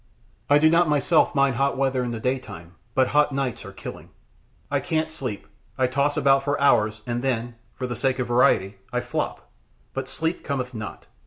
I do not myself mind hot weather in the daytime, but hot nights are killing. I can't sleep. I toss about for hours, and then, for the sake of variety, I flop, but sleep cometh not.